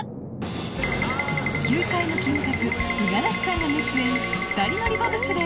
球界のキムタク五十嵐さんが熱演２人乗りボブスレー